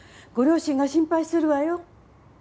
ご両親が心配するわよ。